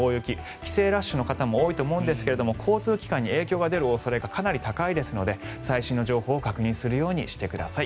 帰省ラッシュの方も多いと思うんですが交通機関に影響が出る恐れがかなり高いですので最新の情報を確認するようにしてください。